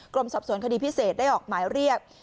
สอบสวนคดีพิเศษได้ออกหมายเรียก